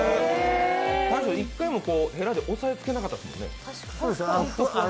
１回もヘラで押さえつけなかったですもんね。